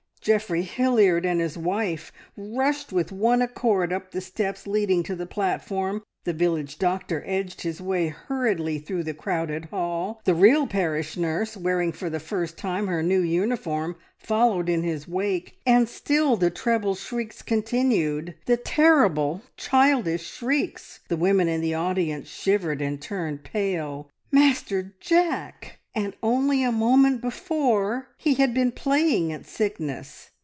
Geoffrey Hilliard and his wife rushed with one accord up the steps leading to the platform, the village doctor edged his way hurriedly through the crowded hall, the real parish nurse, wearing for the first time her new uniform, followed in his wake. And still the treble shrieks continued the terrible, childish shrieks. The women in the audience shivered and turned pale. Master Jack! And only a moment before he had been playing at sickness.